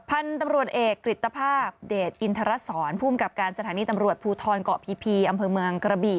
พันธุ์ตำรวจเอกกฤตภาพเดชอินทรศรภูมิกับการสถานีตำรวจภูทรเกาะพีอำเภอเมืองกระบี่